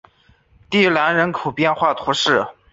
蒂兰人口变化图示